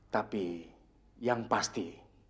tapi yang pasti